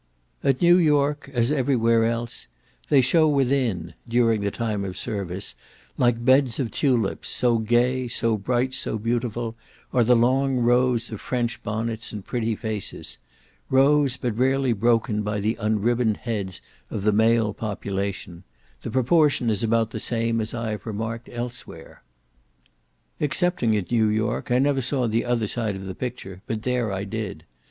At New York, as every where else, they show within, during the time of service, like beds of tulips, so gay, so bright, so beautiful, are the long rows of French bonnets and pretty faces; rows but rarely broken by the unribboned heads of the male population; the proportion is about the same as I have remarked elsewhere. Excepting at New York, I never saw the other side of the picture, but there I did.